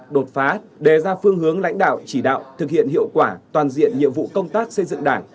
đột phá đề ra phương hướng lãnh đạo chỉ đạo thực hiện hiệu quả toàn diện nhiệm vụ công tác xây dựng đảng